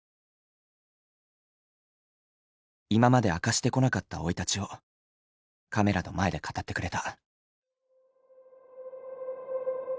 今まで明かしてこなかった生い立ちをカメラの前で語ってくれた。